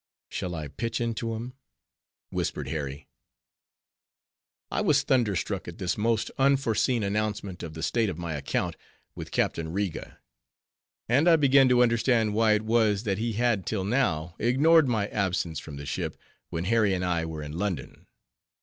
"Shall I pitch into him?" whispered Harry. I was thunderstruck at this most unforeseen announcement of the state of my account with Captain Riga; and I began to understand why it was that he had till now ignored my absence from the ship, when Harry and I were in London.